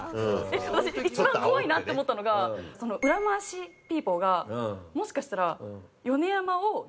私一番怖いなって思ったのが裏回しピープルがもしかしたら。